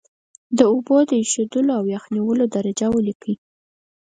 د اوبو د ایشېدو او یخ نیولو درجه ولیکئ.